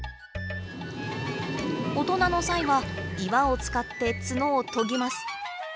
大人のサイは岩を使って角を研ぎます。